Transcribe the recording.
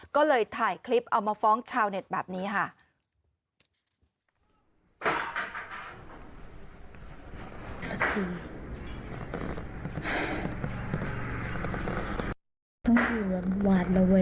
ก็เลยถ่ายคลิปเอามาฟ้องชาวเน็ตแบบนี้ค่ะ